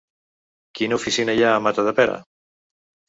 Quina oficina hi ha a Matadepera?